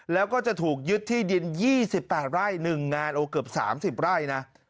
แล้วก็จะถูกยึดที่ดิน๒๘ไร่๑งานโอ้เกือบ๓๐ไร่นะ